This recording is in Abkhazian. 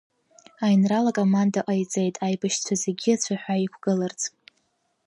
Аинрал акоманда ҟаиҵеит аибашьцәа зегьы ацәаҳәа иқәгыларц.